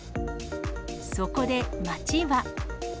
そこで町は。